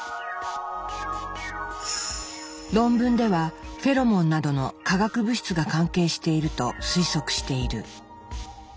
論文ではフェロモンなどの化学物質が関係していると推測している。